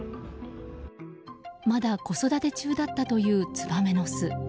まだ子育て中だったというツバメの巣。